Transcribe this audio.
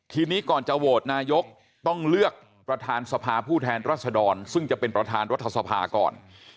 ทีนี้ก่อนจะโหวตนายกต้องเลือกประธานสภาผู้แทนรัศดรซึ่งจะเป็นประธานรัฐสภาก่อน